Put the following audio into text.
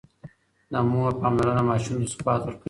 د مور پاملرنه ماشوم ته ثبات ورکوي.